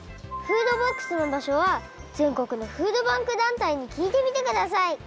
フードボックスのばしょは全国のフードバンク団体にきいてみてください。